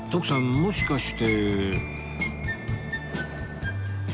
もしかして